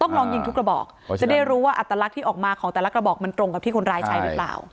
ลองยิงทุกกระบอกจะได้รู้ว่าอัตลักษณ์ที่ออกมาของแต่ละกระบอกมันตรงกับที่คนร้ายใช้หรือเปล่า